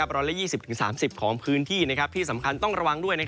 ร้อยละ๒๐๓๐ของพื้นที่ที่สำคัญต้องระวังด้วย